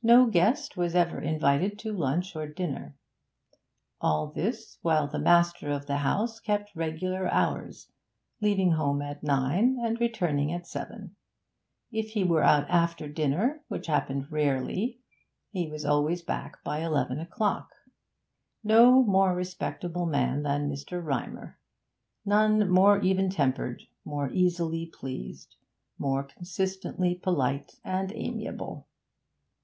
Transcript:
No guest was ever invited to lunch or dinner. All this while the master of the house kept regular hours, leaving home at nine and returning at seven; if he went out after dinner, which happened rarely, he was always back by eleven o'clock. No more respectable man than Mr. Rymer; none more even tempered, more easily pleased, more consistently polite and amiable.